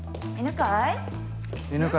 犬飼？